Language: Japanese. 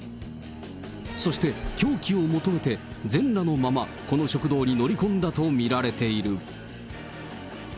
そして凶器を求めて、全裸のままこの食堂に乗り込んだと見られている。